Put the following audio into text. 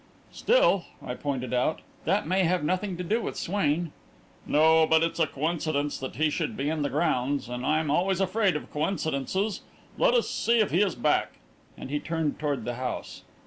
"Still," I pointed out, "that may have nothing to do with Swain." "No; but it's a coincidence that he should be in the grounds and I'm always afraid of coincidences. Let us see if he is back," and he turned toward the house.